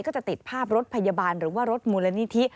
ก็จะติดภาพรถพยาบาลหรือว่ารถมูลนิธิ